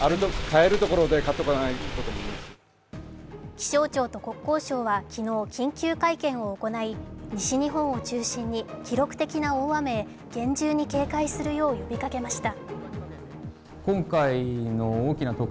気象庁と国交省は昨日緊急会見を行い、西日本を中心に、記録的な大雨へ厳重に警戒するよう呼びかけました。